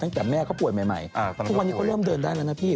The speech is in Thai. กลัวใหม่ทุกวันนี้เขาเริ่มเดินได้แล้วนะพี่